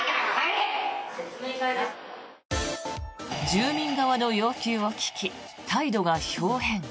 住民側の要求を聞き態度がひょう変。